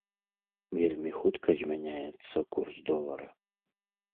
Вельмі хутка змяняецца курс долара.